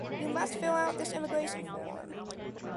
You must fill out this immigration form.